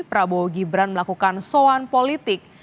prabowo gibran melakukan soan politik